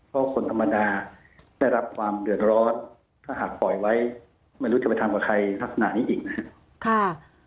เพราะคนธรรมดาได้รับความเดือดร้อนถ้าหากปล่อยไว้ไม่รู้จะไปทำกับใครลักษณะนี้อีกนะครับ